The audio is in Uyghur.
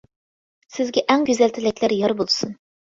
سىزگە ئەڭ گۈزەل تىلەكلەر يار بولسۇن!